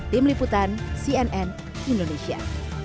tim liputan cnn indonesia